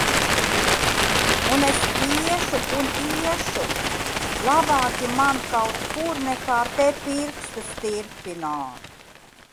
Un es iešu un iešu! Labāki man kaut kur, nekā te, pirkstus tirpināt.